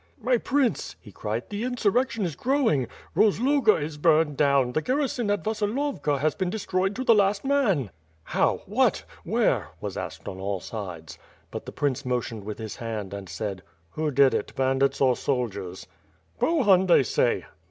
"My Prince," he cried, "the insurrection is growing. Roz loga is burned down; the garrison at Vasilovka has been de stroyed to the last man." "How? What? Where?" was asked on all sides. But the prince motioned with his hand and asked: "Who did it, bandits or soldiers?" "Bohun, they say."